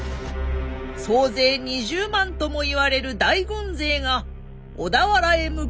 総勢２０万ともいわれる大軍勢が小田原へ向け進軍。